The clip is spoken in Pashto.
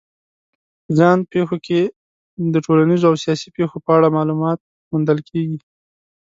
په ځان پېښو کې د ټولنیزو او سیاسي پېښو په اړه معلومات موندل کېږي.